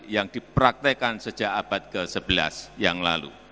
yang dipraktekkan sejak abad ke sebelas yang lalu